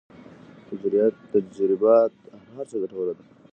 تجربه تر هر څه ګټوره ده.